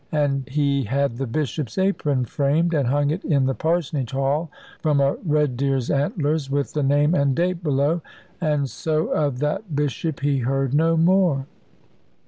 And he had the Bishop's apron framed, and hung it in the parsonage hall, from a red deer's antlers, with the name and date below. And so of that Bishop he heard no more.